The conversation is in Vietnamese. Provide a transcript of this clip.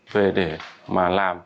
về để mà làm